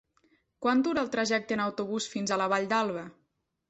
Quant dura el trajecte en autobús fins a la Vall d'Alba?